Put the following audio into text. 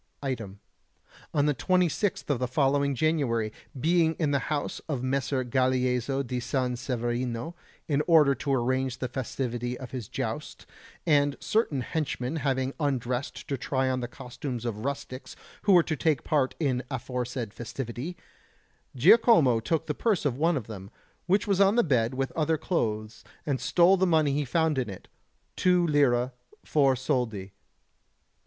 Item: on the 26th of the following January, being in the house of Messer Galeazzo di San Severino, in order to arrange the festivity of his joust, and certain henchmen having undressed to try on the costumes of rustics who were to take part in the aforesaid festivity, Giacomo took the purse of one of them, which was on the bed with other clothes, and stole the money he found in it 2 lire, 4 soldi.